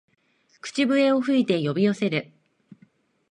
口笛を吹いて呼び寄せる